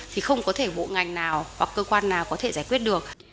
thì không có thể bộ ngành nào hoặc cơ quan nào có thể giải quyết được